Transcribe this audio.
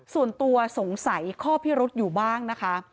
ส่วนตัวสงสัยข้อพิรุษอยู่บ้างนะคะ